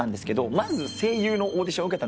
まず声優のオーディション受けたのが。